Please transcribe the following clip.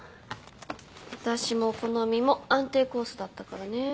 私もこのみも安定コースだったからね。